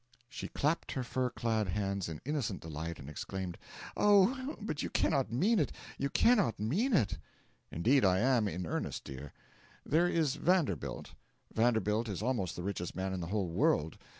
She clapped her fur clad hands in innocent delight, and exclaimed: 'Oh, but you cannot mean it, you cannot mean it!' 'Indeed, I am in earnest, dear. There is Vanderbilt. Vanderbilt is almost the richest man in the whole world.